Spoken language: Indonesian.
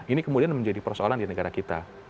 ini kemudian menjadi persoalan di negara kita